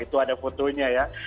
itu ada fotonya ya